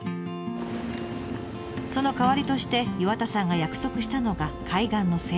その代わりとして岩田さんが約束したのが海岸の清掃。